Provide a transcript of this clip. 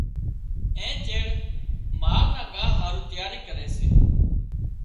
اين چيڙ مال نا ڳاهَ هارُو تياري ڪري سي۔